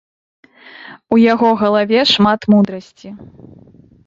У яго галаве шмат мудрасці.